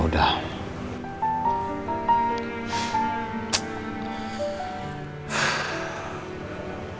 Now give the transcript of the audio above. dengan dia sekarang